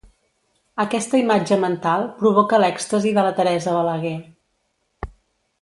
Aquesta imatge mental provoca l'èxtasi de la Teresa Balaguer.